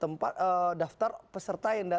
tempat daftar peserta yang